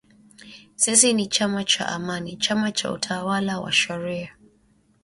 “Sisi ni chama cha Amani, chama cha utawala wa sharia